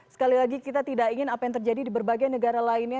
sekali lagi kita tidak ingin apa yang terjadi di berbagai negara lainnya